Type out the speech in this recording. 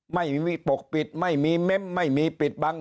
ไม่มีปกปิดไม่มีเม้มไม่มีปิดบัง